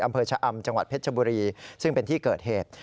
อำเภอชะอำจังหวัดเพชรชบุรีซึ่งเป็นที่เกิดเหตุ